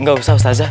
nggak usah ustazah